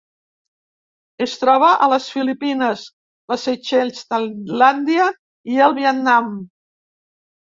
Es troba a les Filipines, les Seychelles, Tailàndia i el Vietnam.